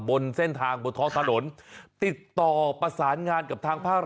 บนเส้นทางบนท้องถนนติดต่อประสานงานกับทางภาค